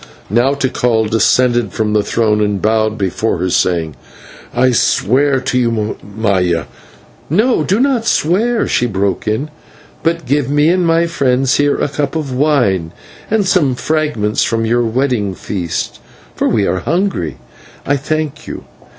Now Tikal descended from the throne and bowed before her, saying, "I swear to you, Maya " "No, do not swear," she broke in, "but give me and my friends here a cup of wine and some fragments from your wedding feast, for we are hungry. I thank you.